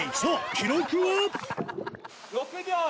記録は？